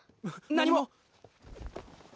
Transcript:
何も！